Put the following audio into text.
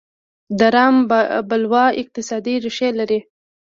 د رام بلوا اقتصادي ریښې لرلې.